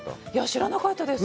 知らなかったです。